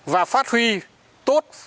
và phát huy tốt